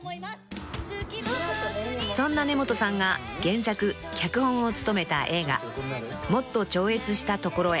［そんな根本さんが原作脚本を務めた映画］